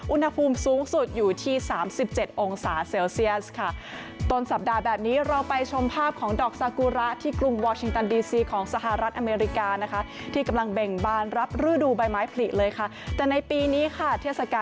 อุณหภูมิสูงสุดอยู่ที่๓๗องศาเซลเซียสค่ะ